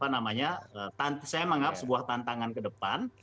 saya menganggap sebuah tantangan ke depan